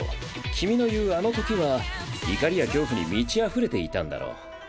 君の言う「あのとき」は怒りや恐怖に満ちあふれていたんだろう。